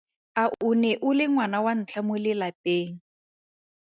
A o ne o le ngwana wa ntlha mo lelapeng?